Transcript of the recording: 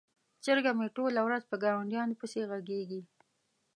چرګه مې ټوله ورځ په ګاونډیانو پسې غږیږي.